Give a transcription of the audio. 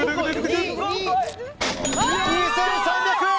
２３００円！